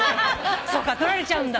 そうかとられちゃうんだ。